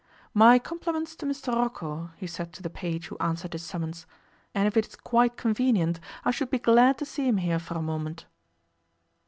'My compliments to Mr Rocco,' he said to the page who answered his summons, 'and if it is quite convenient I should be glad to see him here for a moment.